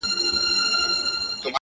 • د داسي قوي شخصیت خاوند وو ,